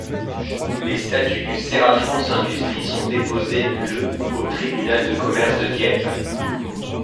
Les statuts du Cérafrance Industrie sont déposés le au tribunal de commerce de Dieppe.